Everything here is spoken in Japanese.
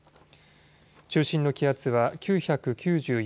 中心の気圧は９９４